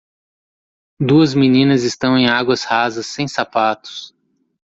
Duas meninas estão em águas rasas sem sapatos.